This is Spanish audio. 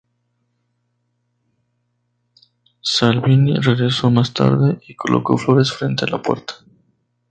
Salvini regresó más tarde y colocó flores frente a la puerta.